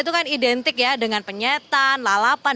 itu kan identik ya dengan penyetan lalapan